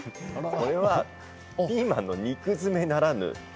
これはピーマンの肉詰めならぬ